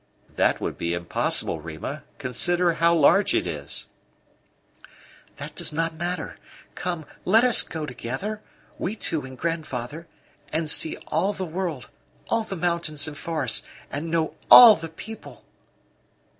"That would be impossible, Rima; consider how large it is." "That does not matter. Come, let us go together we two and grandfather and see all the world; all the mountains and forests, and know all the people."